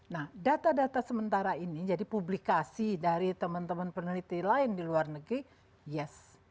nah data data sementara ini jadi publikasi dari teman teman peneliti lain di luar negeri yes